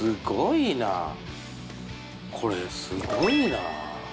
これすごいな！